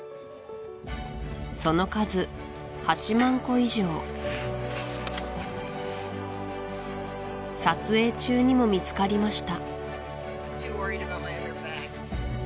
その数８万個以上撮影中にも見つかりました